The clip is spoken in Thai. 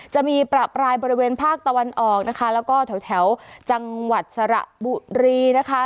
จะมีประปรายบริเวณภาคตะวันออกนะคะแล้วก็แถวจังหวัดสระบุรีนะคะ